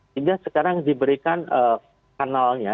sehingga sekarang diberikan kanalnya